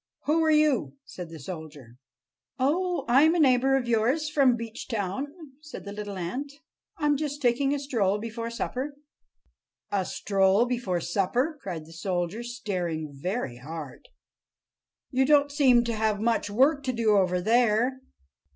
Who are you?" said the soldier. "Oh, I'm a neighbor of yours, from Beechtown," said the little ant. "I'm just taking a stroll before supper." "A stroll before supper!" cried the soldier, staring very hard. "You don't seem to have much work to do over there."